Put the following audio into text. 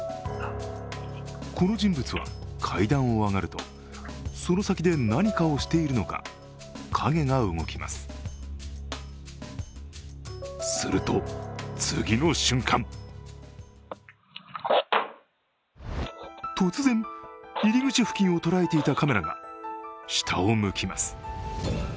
この人物は、階段を上がるとその先で何かをしているのか、影が動きますすると、次の瞬間突然、入り口付近をとらえていたカメラが下を向きます。